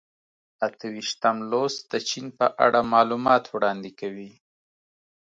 اته ویشتم لوست د چین په اړه معلومات وړاندې کوي.